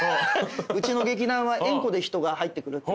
うちの劇団は縁故で人が入ってくるって。